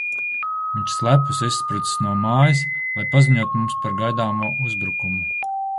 Viņš slepus izsprucis no mājas, lai paziņotu mums par gaidāmo uzbrukumu.